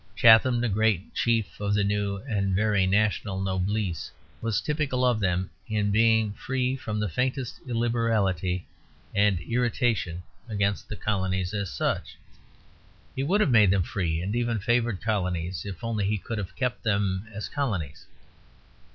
Chatham, the great chief of the new and very national noblesse, was typical of them in being free from the faintest illiberality and irritation against the colonies as such. He would have made them free and even favoured colonies, if only he could have kept them as colonies.